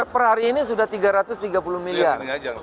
per hari ini sudah tiga ratus tiga puluh miliar